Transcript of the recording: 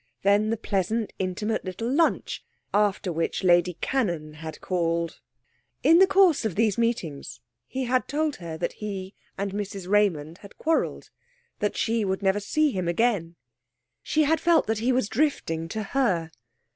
Then the pleasant intimate little lunch, after which Lady Cannon had called.... In the course of these meetings he had told her that he and Mrs Raymond had quarrelled, that she would never see him again. She had felt that he was drifting to her....